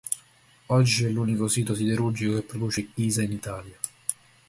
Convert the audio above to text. Oggi è l'unico sito siderurgico che produce ghisa in Italia.